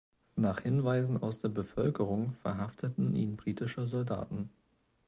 Nach Hinweisen aus der Bevölkerung verhafteten ihn britische Soldaten.